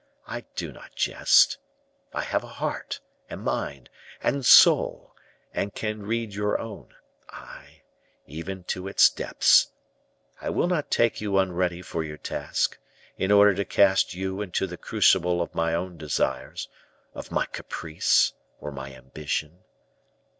I do not jest. I have a heart, and mind, and soul, and can read your own, aye, even to its depths. I will not take you unready for your task, in order to cast you into the crucible of my own desires, of my caprice, or my ambition.